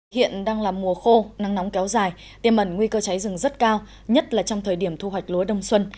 hiện đang là mùa khô nắng nóng kéo dài tiêm ẩn nguy cơ cháy rừng rất cao nhất là trong thời điểm thu hoạch lúa đông xuân